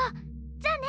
じゃあね！